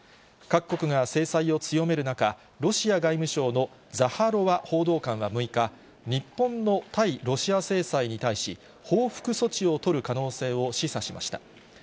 各国が制裁を強める中、ロシア外務省のザハロワ報道官は６日、日本の対ロシア制裁に対し、報復措置を取る可能性を示唆しました。